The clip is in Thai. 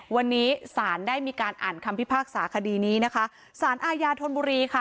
วันนี้สารได้มีการอ่านคำพิพากษาคดีนี้นะคะสารอาญาธนบุรีค่ะ